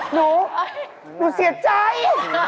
หนูหนูเสียใจ